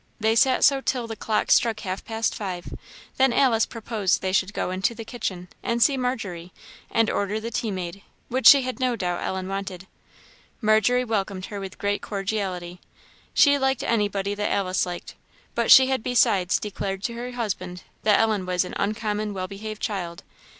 They sat so till the clock struck half past five; then Alice proposed they should go into the kitchen, and see Margery, and order the tea made, which she had no doubt Ellen wanted. Margery welcomed her with great cordiality. She liked anybody that Alice liked, but she had besides declared to her husband that Ellen was "an uncommon well behaved child."